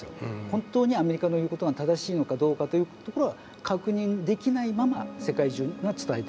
本当にアメリカの言うことが正しいのかどうかというところは確認できないまま世界中が伝えてしまった。